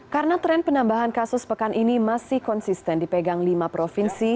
karena tren penambahan kasus pekan ini masih konsisten dipegang lima provinsi